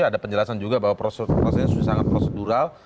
ada penjelasan juga bahwa prosesnya sangat prosedural